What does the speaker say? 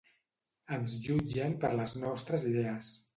Ens jutgen per les nostres idees.